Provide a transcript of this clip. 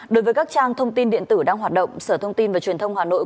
đối với các trang thông tin điện tử đang hoạt động sở thông tin và truyền thông hà nội